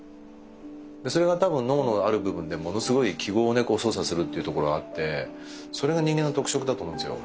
それが多分脳のある部分でものすごい記号をね操作するっていうところあってそれが人間の特色だと思うんですよ。